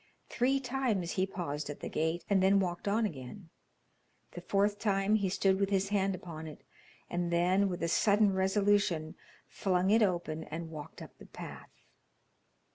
Three times he paused at the gate, and then walked on again. The fourth time he stood with his hand upon it, and then with sudden resolution flung it open and walked up the path.